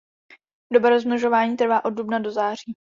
Doba rozmnožování trvá od dubna do září.